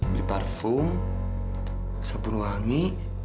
beli parfum sapu wangi